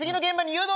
誘導。